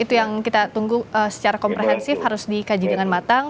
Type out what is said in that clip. itu yang kita tunggu secara komprehensif harus dikaji dengan matang